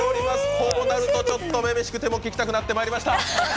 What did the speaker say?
こうなると「女々しくて」も聴きたくなってまいりました。